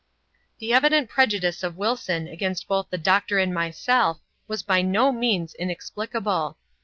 The evid^it prejudice of Wilson against both the doctor and jHiyBel^ was by no means inexplicable.